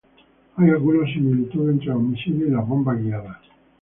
Hay algunas similitudes entre los misiles y las bombas guiadas.